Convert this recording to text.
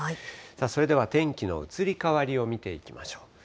それでは天気の移り変わりを見ていきましょう。